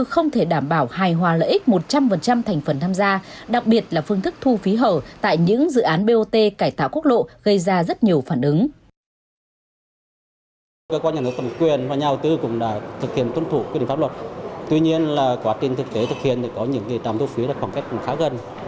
không thể đảm bảo hài hòa lợi ích một trăm linh thành phần tham gia đặc biệt là phương thức thu phí hở tại những dự án bot cải tạo quốc lộ gây ra rất nhiều phản ứng